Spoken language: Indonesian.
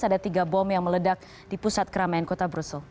ada tiga bom yang meledak di pusat keramaian kota brussel